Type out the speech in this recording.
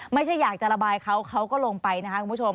ไม่ใช่อยากจะระบายเขาเขาก็ลงไปนะคะคุณผู้ชม